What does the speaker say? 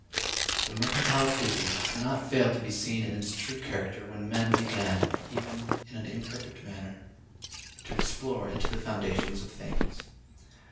The Mercantile Theory could not fail to be seen in its true character when men began, even in an imperfect manner, to explore into the foundations of things.